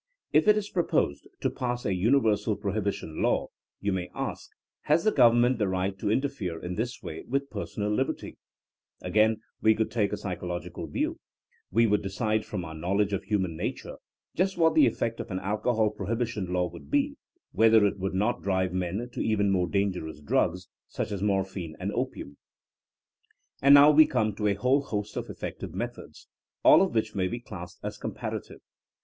If it is proposed to pass a universal prohibition law, you may ask, *^Has the Government the right to inter fere in this way with personal liberty T' Again, we could take a psychological view: we would decide from our knowledge of human nature just what the effect of an alcohol pro hibition law would be — ^whether it would not drive men to even more dangerous drugs, such as morphine and opium. And now we come to a whole host of effective methods, all of which may be classed as com parative.